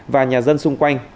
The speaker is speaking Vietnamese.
và nhà dân xung quanh